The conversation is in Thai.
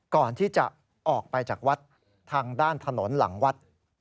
ก่อนที่จะออกไปจากวัดทางด้านถนนหลังวัด